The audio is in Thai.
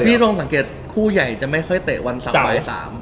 แต่พี่ลองสังเกตผู้ใหญ่จะไม่ค่อยแตะวันเสาร์บ่ายสาม